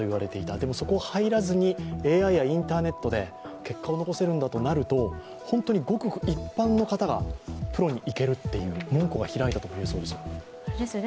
でもそこを入らずに、ＡＩやインターネットで結果を残せるんだとなると、本当にごく一般の方がプロに行けるという、門戸が開いたと言えそうですね。